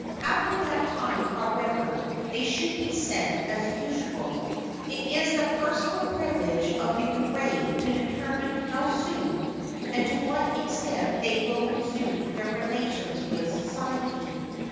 After that time, however, they should be sent as usual. It is the personal privilege of the bereaved to determine how soon and to what extent they will resume their relations with society.